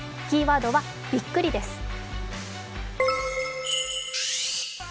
キーワードは「ビックリ」です。